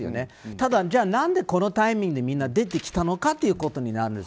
ただ、何でこのタイミングでみんな、出てきたのかということになるんです。